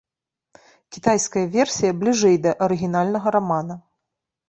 Кітайская версія бліжэй да арыгінальнага рамана.